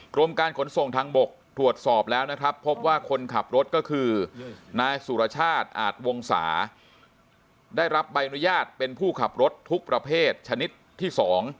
กรมการขนส่งทางบกตรวจสอบแล้วนะครับพบว่าคนขับรถก็คือนายสุรชาติอาจวงศาได้รับใบอนุญาตเป็นผู้ขับรถทุกประเภทชนิดที่๒